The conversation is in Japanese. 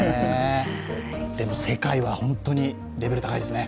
世界は本当にレベル高いですね。